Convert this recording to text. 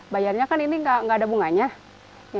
bayarnya kan ini nggak ada bunganya